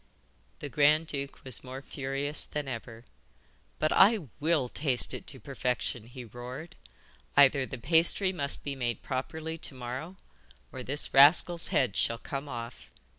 The grand duke was more furious than ever. 'But I WILL taste it to perfection,' he roared. 'Either the pasty must be made properly to morrow or this rascal's head shall come off.